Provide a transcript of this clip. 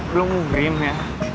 belum grim ya